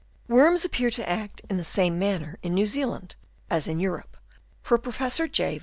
Worms appear to act in the same manner in New Zealand as in Europe ; for Professor J.